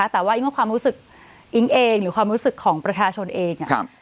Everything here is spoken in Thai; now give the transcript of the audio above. แต่ว่าอิงว่าความรู้สึกอิ๊งเองหรือความรู้สึกของประชาชนเอง